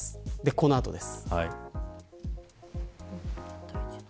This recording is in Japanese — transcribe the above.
この後です。